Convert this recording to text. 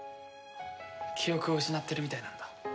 記憶を失ってるみたいなんだ。